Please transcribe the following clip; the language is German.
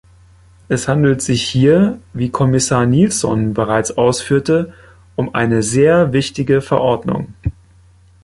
Es handelt sich hier, wie Kommissar Nielson bereits ausführte, um eine sehr wichtige Verordnung.